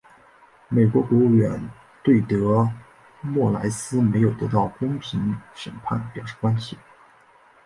美国国务院对德莫赖斯没有得到公平审判表示关切。